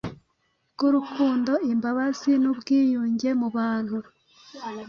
bwurukundo, imbabazi n'ubwiyunge.mubantu